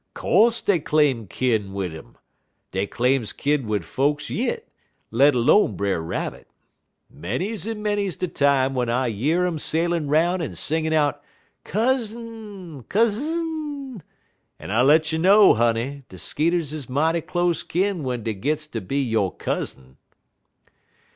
"Co'se dey claim kin wid 'im. Dey claims kin wid folks yit, let 'lone Brer Rabbit. Manys en manys de time w'en I year um sailin' 'roun' en singin' out 'Cousin! Cousin!' en I let you know, honey, de skeeters is mighty close kin w'en dey gits ter be yo' cousin.